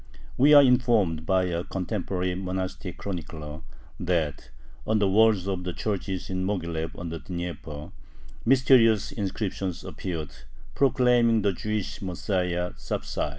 We are informed by a contemporary monastic chronicler, that on the walls of the churches in Moghilev on the Dnieper mysterious inscriptions appeared proclaiming the Jewish Messiah "Sapsai."